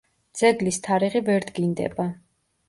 ძეგლის თარიღი ვერ დგინდება.